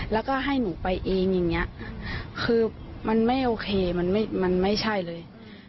แล้วก็ให้หนูไปเองอย่างนี้คือมันไม่โอเคมันไม่ใช่เลย